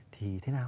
thì thế nào